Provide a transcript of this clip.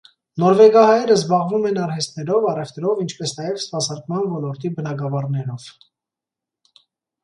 Նորվեգահայերը զբաղվում են արհեստներով, առևտրով, ինչպես նաև սպասարկման ոլորտի բնագավառներով։